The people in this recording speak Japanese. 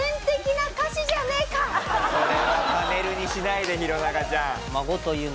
それはパネルにしないで弘中ちゃん。